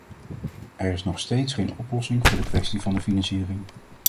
Er is nog steeds geen oplossing voor de kwestie van de financiering.